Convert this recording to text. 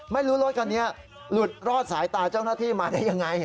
รถคันนี้หลุดรอดสายตาเจ้าหน้าที่มาได้ยังไง